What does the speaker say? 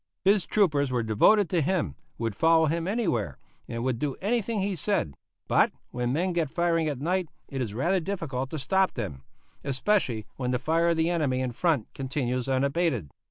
His troopers were devoted to him, would follow him anywhere, and would do anything he said; but when men get firing at night it is rather difficult to stop them, especially when the fire of the enemy in front continues unabated.